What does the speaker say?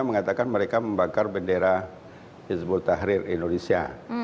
mengatakan mereka membakar bendera hizbut tahrir indonesia